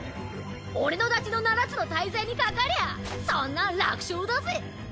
俺のダチの七つの大罪にかかりゃそんなん楽勝だぜ。